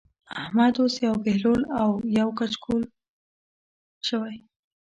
احمد اوس يو بهلول يو کچکول شوی دی.